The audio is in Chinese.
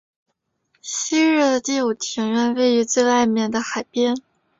昔日的第五庭院位于最外面的海边。